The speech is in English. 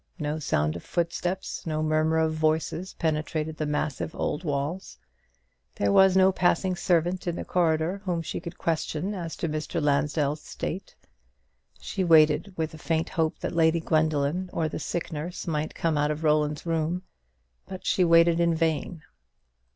No sound of footsteps, no murmur of voices, penetrated the massive old walls. There was no passing servant in the corridor whom she could question as to Mr. Lansdell's state. She waited with faint hope that Lady Gwendoline or the sick nurse might come out of Roland's room; but she waited in vain.